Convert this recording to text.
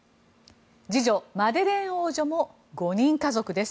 次女、マデレーン王女も５人家族です。